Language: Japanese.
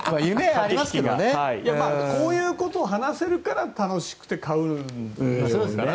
こういうことを話せるから楽しくて買うんだからね。